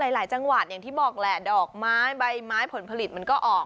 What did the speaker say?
หลายจังหวัดอย่างที่บอกแหละดอกไม้ใบไม้ผลผลิตมันก็ออก